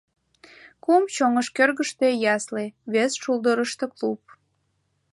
Кум чоҥыш кӧргыштӧ ясле, вес шулдырышто клуб.